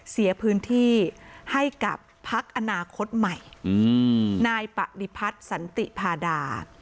เสียพื้นที่ให้กับพักอนาคตใหม่นายปฏิพัฒน์สันติพาดา